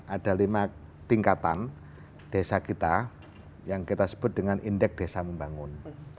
ada lima tingkatan desa kita yang kita sebut dengan indeks desa membangun